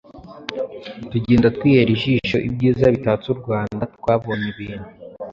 tugenda twihera ijisho ibyiza bitatse u Rwanda. Twabonye ibintu